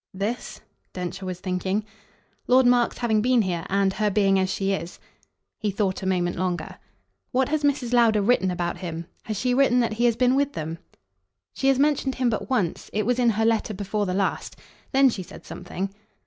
"'This'?" Densher was thinking. "Lord Mark's having been here, and her being as she is." He thought a moment longer. "What has Mrs. Lowder written about him? Has she written that he has been with them?" "She has mentioned him but once it was in her letter before the last. Then she said something."